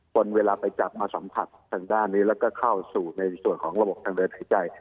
คนเวลาไปจับมาสัมผัสทางด้านนี้แล้วก็เข้าสู่ในส่วนของระบบทางเดินหายใจ